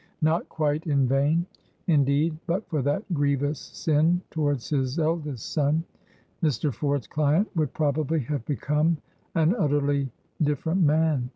Not quite in vain. Indeed, but for that grievous sin towards his eldest son, Mr. Ford's client would probably have become an utterly different man.